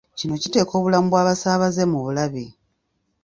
Kino kiteeka obulamu bw'abasaabaze mu bulabe.